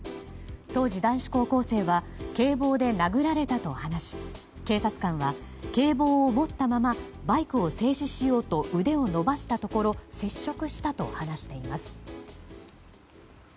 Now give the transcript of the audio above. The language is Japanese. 当時、男子高校生は警棒で殴られたと話し警察官は警棒を持ったままバイクを制止しようと腕を伸ばしたところ接触したと話しています。